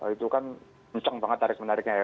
itu kan kencang banget tarik menariknya ya